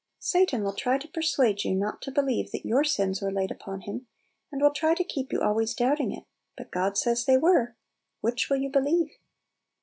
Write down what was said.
Satan will try to persuade you not to believe that your sins were laid upon Him, and will try to keep you always doubting it; but God says they were ! Which will you believe?